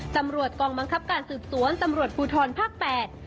ตำรวจกองบังคับการสืบสวนตำรวจภูทรภาคแปด